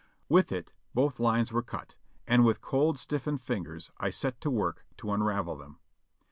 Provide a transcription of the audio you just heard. With it both lines were cut, and with cold, stiffened fingers I set to work to unravel them.